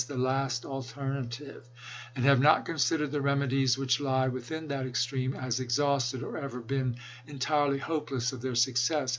the last alternative, and have not considered the remedies which lie within that extreme as exhausted, or ever been entirely hopeless of their success.